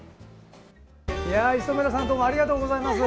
磯村さんどうもありがとうございます。